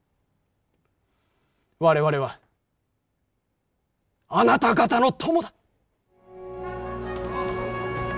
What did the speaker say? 我々はあなた方の友だ。